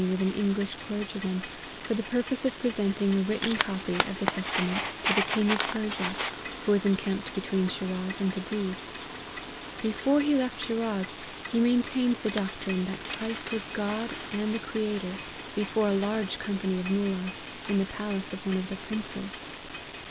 165 with an English clergyman, for the purpose of pre senting a written copy of the Testament to the king of Persia, who was encamped between Shiraz. and Tebriz. Before he left Shiraz, he maintained the doctrine that Christ was God and the Creator, before a large company of Moollahs, in the palace of one of the princes.